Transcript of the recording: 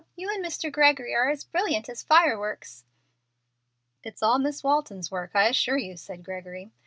You and Mr. Gregory are as brilliant as fireworks." "It's all Miss Walton's work, I assure you," said Gregory.